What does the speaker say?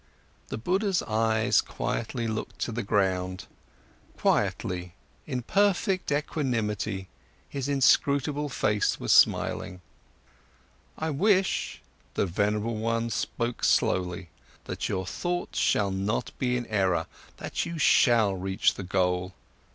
The Buddha's eyes quietly looked to the ground; quietly, in perfect equanimity his inscrutable face was smiling. "I wish," the venerable one spoke slowly, "that your thoughts shall not be in error, that you shall reach the goal!